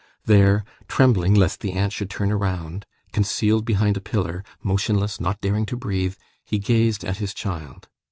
There, trembling lest the aunt should turn round, concealed behind a pillar, motionless, not daring to breathe, he gazed at his child.